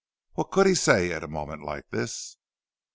what could he say at a moment like this?